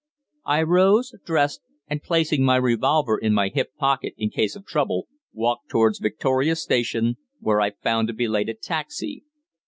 I rose, dressed, and, placing my revolver in my hip pocket in case of trouble, walked towards Victoria Station, where I found a belated taxi.